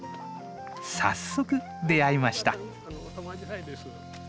早速出会いました。